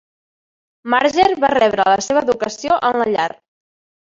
Marger va rebre la seva educació en la llar.